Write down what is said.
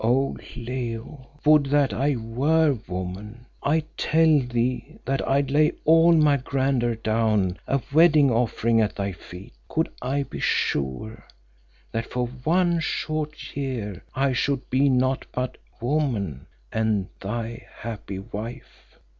"Oh! Leo, would that I were woman! I tell thee that I'd lay all my grandeur down, a wedding offering at thy feet, could I be sure that for one short year I should be naught but woman and thy happy wife.